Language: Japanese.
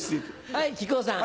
はい木久扇さん。